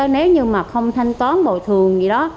nếu như mà không thanh toán bồi thường gì đó